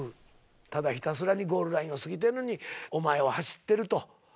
ただひたすらにゴールラインを過ぎてんのにお前は走ってると。